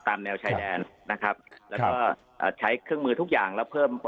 แนวชายแดนนะครับแล้วก็อ่าใช้เครื่องมือทุกอย่างแล้วเพิ่ม